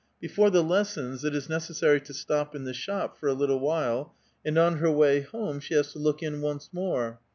Before the lessons it is necessary to stop in the shop for a little while, and on her way home she has to look in once more.